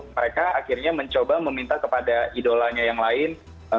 mereka akhirnya mencoba meminta kepada idolanya yang lain